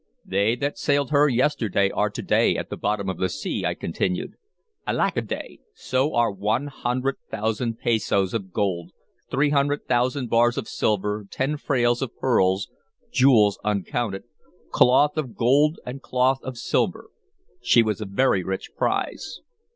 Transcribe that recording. "They that sailed her yesterday are to day at the bottom of the sea," I continued. "Alackaday! so are one hundred thousand pezos of gold, three thousand bars of silver, ten frails of pearls, jewels uncounted, cloth of gold and cloth of silver. She was a very rich prize."